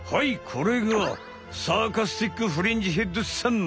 これがサーカスティック・フリンジヘッドさん。